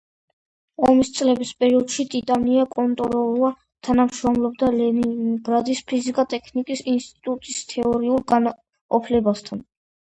ომის წლების პერიოდში ტატიანა კონტოროვა თანამშრომლობდა ლენინგრადის ფიზიკა-ტექნიკის ინსტიტუტის თეორიულ განყოფილებასთან.